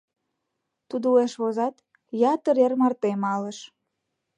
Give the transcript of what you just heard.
Тудо уэш возат, ятыр эр марте малыш.